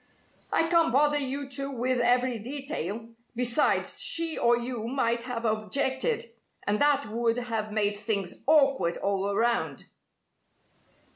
"I can't bother you two with every detail. Besides, she or you might have objected, and that would have made things awkward all around."